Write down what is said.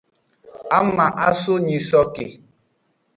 Ama aso nyisoke.